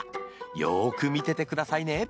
よく見ててくださいね。